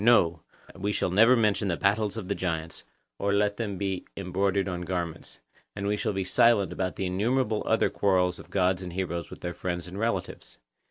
No, we shall never mention the battles of the giants, or let them be embroidered on garments; and we shall be silent about the innumerable other quarrels of gods and heroes with their friends and relatives.